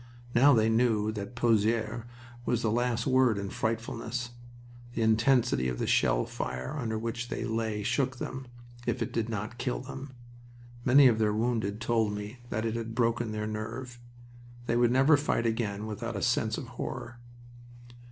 Now they knew that Pozieres was the last word in frightfulness. The intensity of the shell fire under which they lay shook them, if it did not kill them. Many of their wounded told me that it had broken their nerve. They would never fight again without a sense of horror.